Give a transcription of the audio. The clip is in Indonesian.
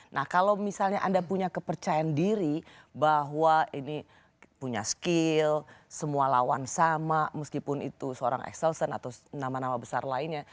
nah kalau misalnya anda punya kepercayaan diri bahwa ini punya skill semua lawan sama meskipun itu seorang excelson atau nama nama besar lainnya